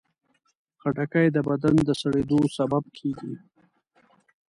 خټکی د بدن د سړېدو سبب کېږي.